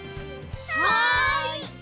はい！